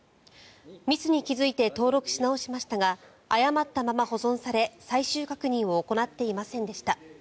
ミスに気付いて登録し直しましたが誤ったまま保存され最終確認を行っていませんでした。